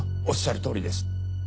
おっしゃるとおりです。